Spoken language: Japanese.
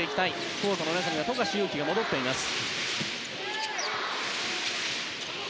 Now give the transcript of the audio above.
コートには富樫勇樹が戻っています。